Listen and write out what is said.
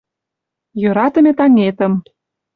Йӧратыме таҥетым